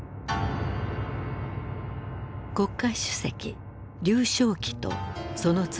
国家主席劉少奇とその妻